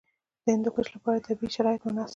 د هندوکش لپاره طبیعي شرایط مناسب دي.